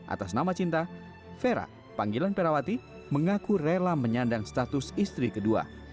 atas nama cinta vera panggilan perawati mengaku rela menyandang status istri kedua